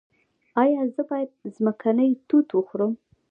ایا زه باید ځمکنۍ توت وخورم؟